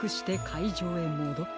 いじょうへもどった。